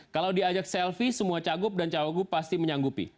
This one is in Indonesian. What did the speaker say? kalau diajak selfie semua cagup dan cawagup pasti menyanggupi